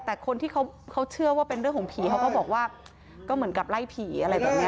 แต่คนที่เขาเชื่อว่าเป็นเรื่องของผีเขาก็บอกว่าก็เหมือนกับไล่ผีอะไรแบบนี้